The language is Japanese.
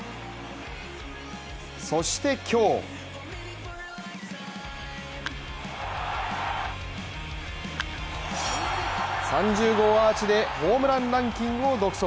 そして今日３０号アーチでホームランランキングを独走。